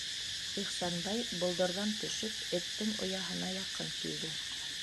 Ихсанбай, болдорҙан төшөп, эттең ояһына яҡын килде.